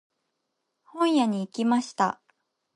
本屋に行きました。